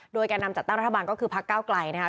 โดยแก่นำจัดตั้งรัฐบาลก็คือพักเก้าไกลนะคะ